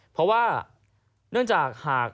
เพราะว่าเนื่องจากหาก